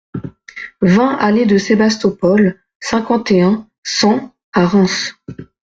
vingt allée de Sébastopol, cinquante et un, cent à Reims